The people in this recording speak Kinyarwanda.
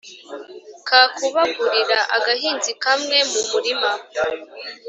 Kakubagurira.-Agahinzi kamwe mu murima.